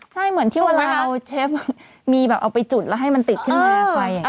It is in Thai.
ใช่เหมือนที่เวลาเอาเชฟมีแบบเอาไปจุดแล้วให้มันติดขึ้นมาไปอย่างนี้